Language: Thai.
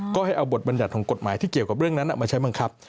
ก็ให้เอาบทบรรยัติของกฎหมายที่เกี่ยวกับเรื่องนั้นมาใช้บังคับ